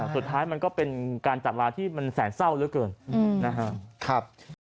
สุดท้ายมันก็เป็นการจัดร้านที่มันแสนเศร้าเหลือเกินนะครับ